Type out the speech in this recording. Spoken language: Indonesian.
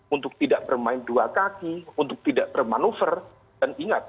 untuk tidak bermain dua kaki untuk tidak bermanuver dan ingat